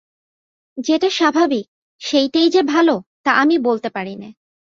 যেটা স্বভাবিক সেইটেই যে ভালো, তা আমি বলতে পারি নে।